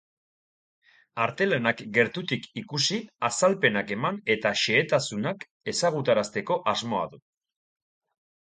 Artelanak gertutik ikusi, azalpenak eman eta xehetasunak ezagutarazteko asmoa du.